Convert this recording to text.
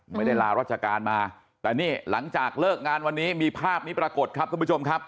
ไม่ได้ลารัชการมาแต่นี่หลังจากเลิกงานวันนี้มีภาพนี้ปรากฏครับทุกผู้ชมครับ